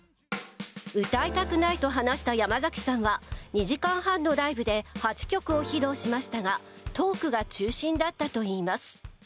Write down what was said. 歌いたくないと話した山崎さんは２時間半のライブで８曲を披露しましたがトークが中心だったといいます。